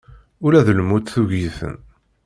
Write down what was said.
Ula d lmut tugi-ten.